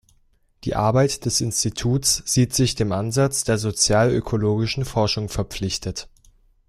Die Arbeit des Instituts sieht sich dem Ansatz der sozial-ökologischen Forschung verpflichtet.